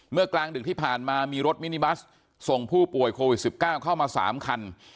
กลางดึกที่ผ่านมามีรถมินิบัสส่งผู้ป่วยโควิด๑๙เข้ามา๓คัน